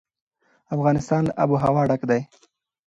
افغانستان له آب وهوا ډک دی.